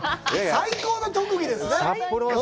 最高の特技ですね。